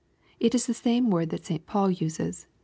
It is the same word that St. Paul uses.